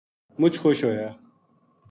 مچ خوش ہویا